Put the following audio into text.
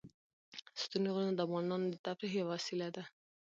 ستوني غرونه د افغانانو د تفریح یوه وسیله ده.